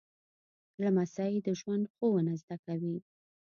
لمسی د ژوند ښوونه زده کوي.